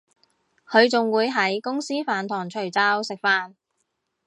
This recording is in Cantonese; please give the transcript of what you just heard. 佢仲會喺公司飯堂除罩食飯